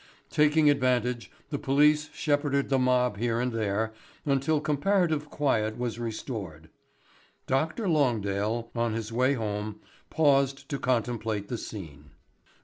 Taking advantage, the police shepherded the mob here and there until comparative quiet was restored. Dr. Longdale, on his way home, paused to contemplate the scene.